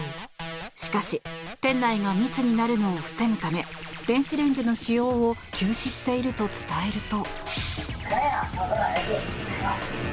しかし店内が密になるのを防ぐため電子レンジの使用を休止していると伝えると。